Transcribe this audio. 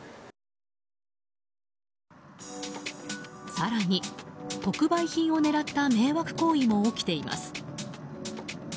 更に特売品を狙った迷惑行為も起きています。